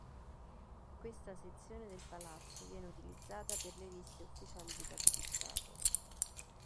Questa sezione del palazzo viene utilizzata per le visite ufficiali di capi di Stato.